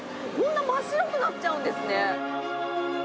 こんなに真っ白くなっちゃうんですね。